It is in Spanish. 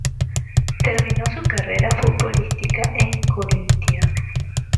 Terminó su carrera futbolística en Corinthians.